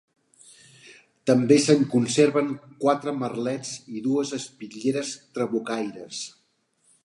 També se'n conserven quatre merlets i dues espitlleres trabucaires.